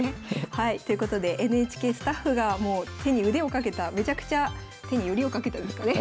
はいということでＮＨＫスタッフが手に腕をかけためちゃくちゃ手によりをかけたですかね